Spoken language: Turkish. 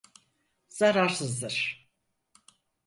Zararsızdır.